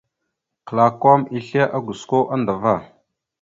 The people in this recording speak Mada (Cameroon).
Klakom islégosko andəvá.